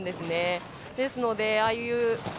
ですのでああいう